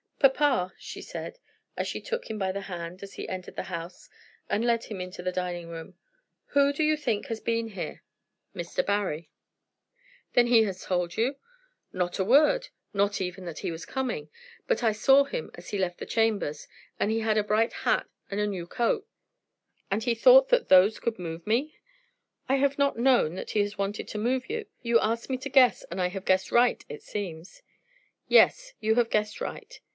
"Papa," she said, as she took him by the hand as he entered the house and led him into the dining room, "who do you think has been here?" "Mr. Barry." "Then he has told you?" "Not a word, not even that he was coming. But I saw him as he left the chambers, and he had on a bright hat and a new coat." "And he thought that those could move me." "I have not known that he has wanted to move you. You asked me to guess, and I have guessed right, it seems." "Yes; you have guessed right."